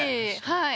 はい。